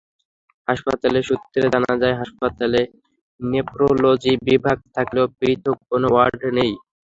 হাসপাতাল সূত্রে জানা যায়, হাসপাতালে নেফ্রোলজি বিভাগ থাকলেও পৃথক কোনো ওয়ার্ড নেই।